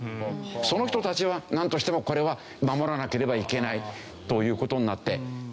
その人たちはなんとしてもこれは守らなければいけないという事になって。